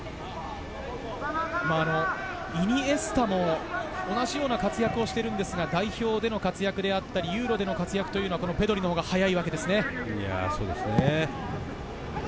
イニエスタも同じような活躍をしていますが、代表での活躍やユーロでの活躍はペドリのほうが早いわけですね。